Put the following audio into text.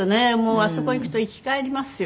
あそこ行くと生き返りますよ。